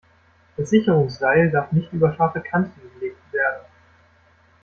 Das Sicherungsseil darf nicht über scharfe Kanten gelegt werden.